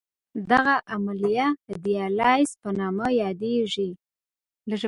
دغه عملیه د دیالیز په نامه یادېږي.